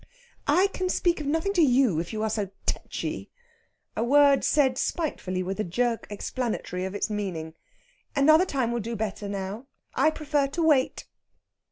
"I can speak of nothing to you if you are so tetchy" a word said spitefully, with a jerk explanatory of its meaning. "Another time will do better, now. I prefer to wait."